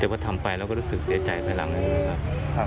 แต่ว่าทำไปแล้วก็รู้สึกเสียใจไปหลังนั้นนะครับ